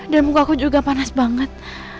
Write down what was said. dan muka aku juga panas banget